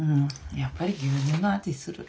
やっぱり牛乳の味する。